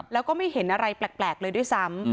แล้วก็ไม่เห็นอะไรแปลกเลยด้วยซ้ำ